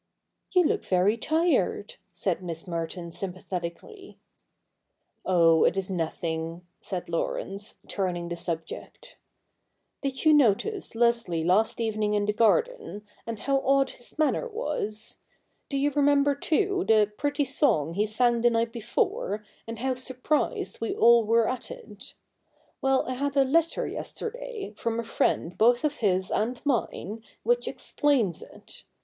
' You look very tired,' said Miss Merton sympathetic ally. ' Oh, it is nothing,' said Laurence, turning the subject. ' L)id you notice Leslie last evening in the garden, and CH. ii] THE NEW REPUBLIC 253 how odd his manner was ? Do you remember, too, the pretty song he sang the night before, and how surprised we all were at it ? Well, I had a letter yesterday, from a friend both of his and mine, which explains it.